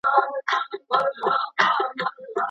ولي مدام هڅاند د با استعداده کس په پرتله برخلیک بدلوي؟